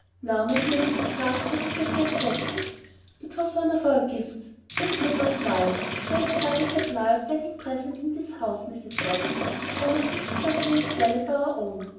Now, my dear Miss Carr, where did you get that?" "It was one of our gifts," said Clover, smiling. "There is a double supply of wedding presents in this house, Mrs. Watson, for my sister's are here as well as our own.